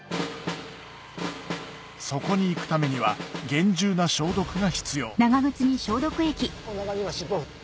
そこに行くためには厳重な消毒が必要尻尾振って。